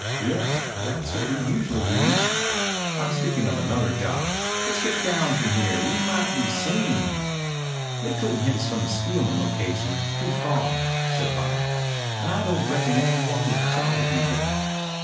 "Yep. Tha's what we usually use." "I'm speaking of another job. Let's get down from here. We might be seen." "They couldn't hit us from the Steelman location. Too far," said Bob. "And I don't reckon any one would try to do that."